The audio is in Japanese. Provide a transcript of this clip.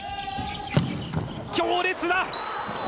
強烈だ！